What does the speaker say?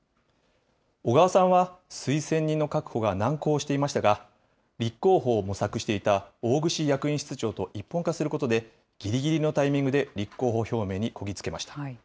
小川さんは、推薦人の確保が難航していましたが、立候補を模索していた大串役員室長と一本化することで、ぎりぎりのタイミングで立候補表明にこぎ着けました。